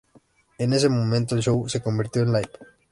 En ese momento el show se convirtió en "Live!